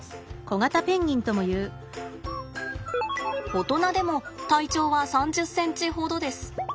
大人でも体長は３０ｃｍほどです。